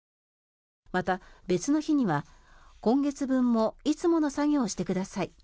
また、別の日には今月分もいつもの作業をしてください